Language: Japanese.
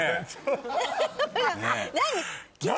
何？